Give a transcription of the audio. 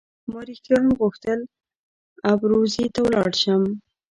ما رښتیا هم غوښتل ابروزي ته ولاړ شم.